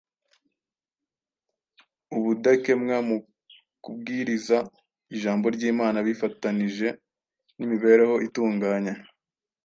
Ubudakemwa mu kubwiriza Ijambo ry’Imana bifatanije n’imibereho itunganye